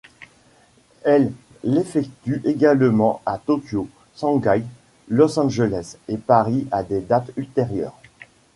Elles l'effectuent également à Tokyo, Shanghai, Los Angeles et Paris à des dates ultérieures.